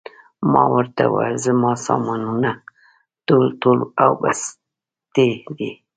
ما ورته وویل: زما سامانونه ټول، ټول او بستې دي.